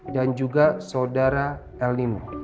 dan juga saudara el nimo